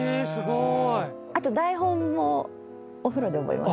あと台本もお風呂で覚えます。